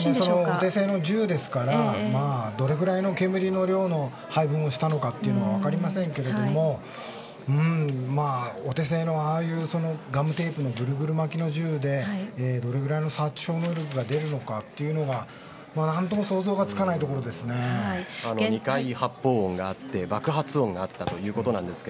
お手製の銃ですからどれぐらいの煙の量の配合にしたのか分かりませんけれどもお手製の、ああいうガムテープがぐるぐる巻きの銃でどれぐらいの殺傷能力が出るのかというのは何とも２回発砲音があって爆発音があったということでした。